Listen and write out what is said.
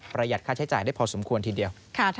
หัดค่าใช้จ่ายได้พอสมควรทีเดียว